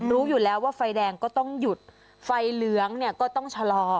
รู้อยู่แล้วว่าไฟแดงก็ต้องหยุดไฟเหลืองเนี่ยก็ต้องชะลอ